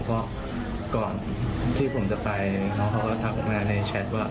ก็ก่อนที่ผมจะไปเขาก็ทักวันมาในแชทว่า